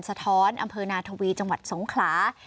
สะท้อนอำเภอนาทวีจังหวัดสงขลา